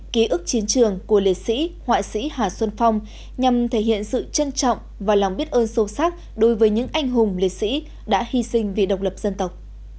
ký ức chiến trường của liệt sĩ họa sĩ hà xuân phong nhằm thể hiện sự trân trọng và lòng biết ơn sâu sắc đối với những anh hùng liệt sĩ đã hy sinh vì độc lập dân tộc